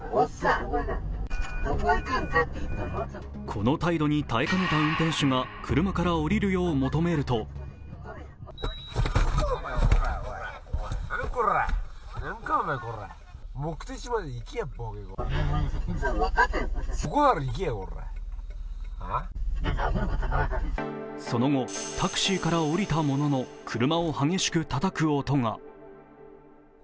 この態度に耐えかねた運転手が車から降りるよう求めるとその後、タクシーから降りたものの車を激しくたたく音が。